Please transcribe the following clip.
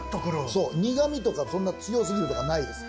そう苦みとかそんな強過ぎるとかないです。